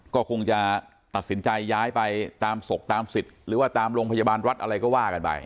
ก็คงจะตัดสินใจย้ายไปตามศพตามสิทธิ์หรือว่าตามโรงพยาบาลวัดอะไรก็ว่ากันไป